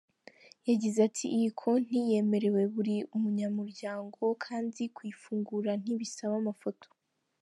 Yagize ati "Iyi konti yemerewe buri munyamuryango, kandi kuyifungura ntibisaba amafoto.